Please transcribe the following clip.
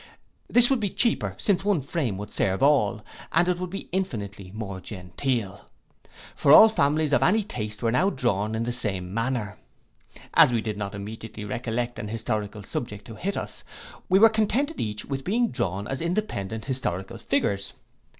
This would be cheaper, since one frame would serve for all, and it would be infinitely more genteel; for all families of any taste were now drawn in the same manner. As we did not immediately recollect an historical subject to hit us, we were contented each with being drawn as independent historical figures.